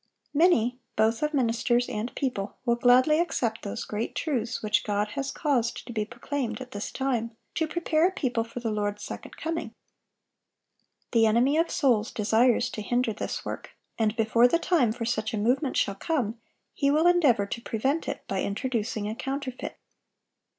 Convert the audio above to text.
Many, both of ministers and people, will gladly accept those great truths which God has caused to be proclaimed at this time, to prepare a people for the Lord's second coming. The enemy of souls desires to hinder this work; and before the time for such a movement shall come, he will endeavor to prevent it, by introducing a counterfeit.